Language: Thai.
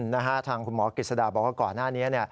นะฮะทางคุณหมอกฤษฎาบอกว่าก่อนหน้านี้